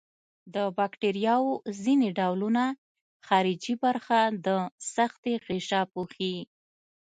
د باکتریاوو ځینې ډولونه خارجي برخه د سختې غشا پوښي.